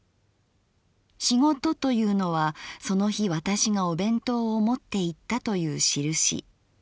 『仕事』というのはその日私がお弁当を持っていったというしるし。